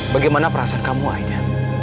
bagaimana perasaan kamu aida